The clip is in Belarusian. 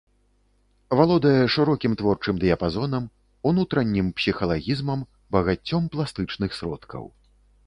Валодае шырокім творчым дыяпазонам, унутраннім псіхалагізмам, багаццём пластычных сродкаў.